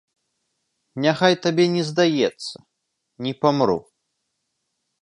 Няхай табе не здаецца, не памру.